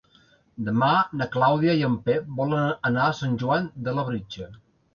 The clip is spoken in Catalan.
Demà na Clàudia i en Pep volen anar a Sant Joan de Labritja.